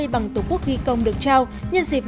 bằng tổ quốc ghi công được trao nhân dịp